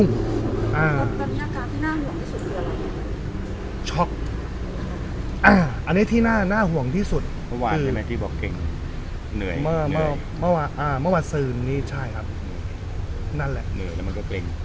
ในเมื่อสองบาทที่ผ่านมามีมีมีอาการไฆฆ์คล้ายกับช็อปบ้างหรือยัง